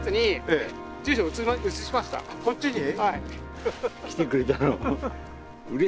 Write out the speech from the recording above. こっちに？